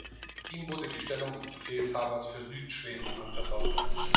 Ihm wurde die Stellung des Befehlshabers für Südschweden anvertraut.